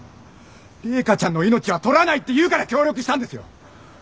麗華ちゃんの命は取らないって言うから協力したんですよ！